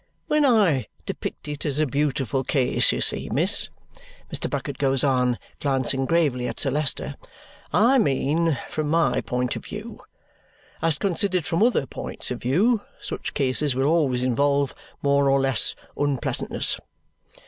When I depict it as a beautiful case, you see, miss," Mr. Bucket goes on, glancing gravely at Sir Leicester, "I mean from my point of view. As considered from other points of view, such cases will always involve more or less unpleasantness.